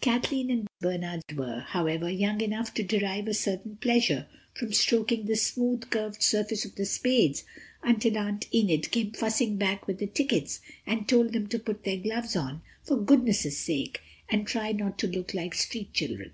Kathleen and Bernard were, however, young enough to derive a certain pleasure from stroking the smooth, curved surface of the spades till Aunt Enid came fussing back with the tickets and told them to put their gloves on for goodness' sake and try not to look like street children.